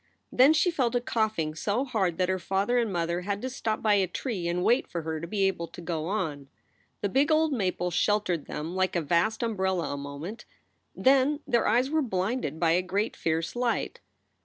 Then she fell to coughing so hard that her father and mother had to stop by a tree and wait for her to be able to go on. The big old maple sheltered them like a vast umbrella a moment. Then their eyes were blinded by a great fierce light.